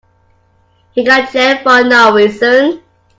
He got jailed for no reason.